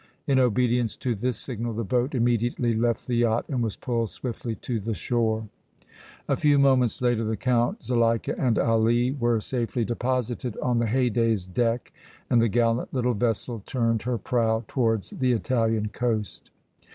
In obedience to this signal the boat immediately left the yacht and was pulled swiftly to the shore. A few moments later the Count, Zuleika and Ali were safely deposited on the Haydée's deck and the gallant little vessel turned her prow towards the Italian coast.